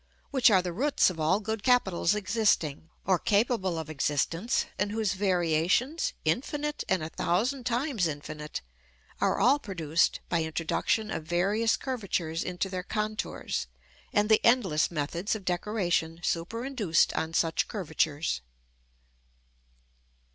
which are the roots of all good capitals existing, or capable of existence, and whose variations, infinite and a thousand times infinite, are all produced by introduction of various curvatures into their contours, and the endless methods of decoration superinduced on such curvatures.